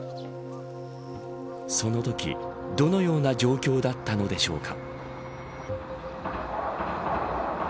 そのときどのような状況だったのでしょうか。